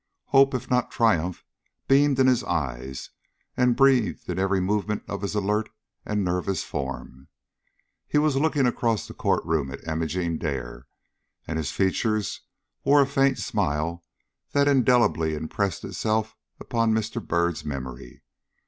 Hope, if not triumph, beamed in his eye and breathed in every movement of his alert and nervous form. He was looking across the court room at Imogene Dare, and his features wore a faint smile that indelibly impressed itself upon Mr. Byrd's memory.